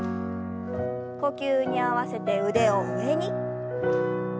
呼吸に合わせて腕を上に。